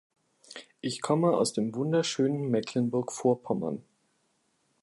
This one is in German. Ich komme aus dem wunderschönen Mecklenburg Vorpommern.